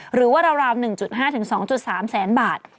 หรือว่าราว๑๕๒๓แสนบาท